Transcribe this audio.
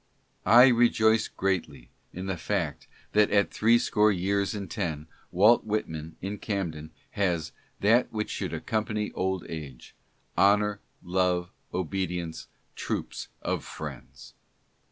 I rejoice greatly in the fact that at threescore years and ten Walt Whitman, in Camden, has " that which should accompany old age — honor, love, obedience, troops of friends."